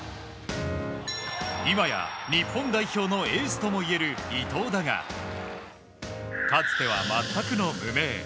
いまや日本代表のエースともいえる伊東だがかつては全くの無名。